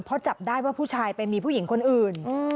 เพราะจับได้ว่าผู้ชายไปมีผู้หญิงคนอื่น